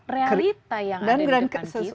sebuah realita yang ada di depan kita